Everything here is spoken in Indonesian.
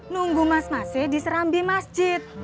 nunggu mas masih di serambi masjid